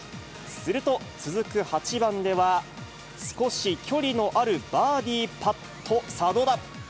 すると続く８番では、少し距離のあるバーディーパット、さあ、どうだ。